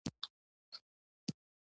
هر کس یادې ځانګړنې په خپل چلند کې